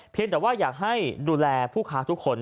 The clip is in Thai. แต่ว่าอยากให้ดูแลผู้ค้าทุกคน